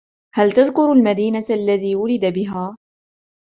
هل تذكر المدينة الذي ولد بها ؟